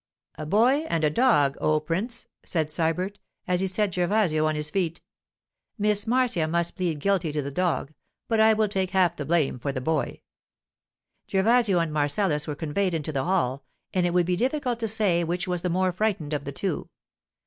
'A boy and a dog, O Prince,' said Sybert, as he set Gervasio on his feet. 'Miss Marcia must plead guilty to the dog, but I will take half the blame for the boy.' Gervasio and Marcellus were conveyed into the hall, and it would be difficult to say which was the more frightened of the two.